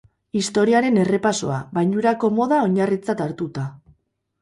Historiaren errepasoa, bainurako moda oinarritzat hartuta.